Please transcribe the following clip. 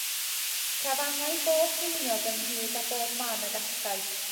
Crafangai bob ceiniog ynghyd o bob man y gallai.